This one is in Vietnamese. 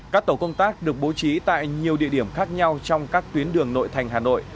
các tổ công tác được bố trí tại nhiều địa điểm khác nhau trong các tuyến đường nội thành hà nội